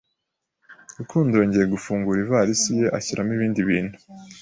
Rukundo yongeye gufungura ivalisi ye ashyiramo ibindi bintu.